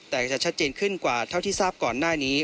แต่จะชัดเจนขึ้นกว่าเท่าที่ทราบก่อนหน้านี้